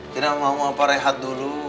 tidak mau apa rehat dulu